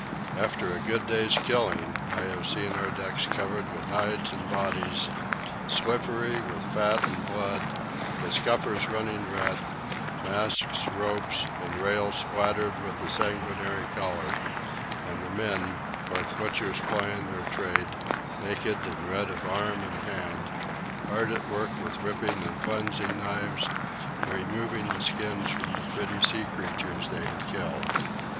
After a good day's killing I have seen our decks covered with hides and bodies, slippery with fat and blood, the scuppers running red; masts, ropes, and rails spattered with the sanguinary colour; and the men, like butchers plying their trade, naked and red of arm and hand, hard at work with ripping and flensing knives, removing the skins from the pretty sea creatures they had killed.